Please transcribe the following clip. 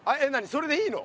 それでいいの？